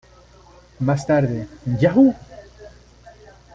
Más tarde, Yahoo!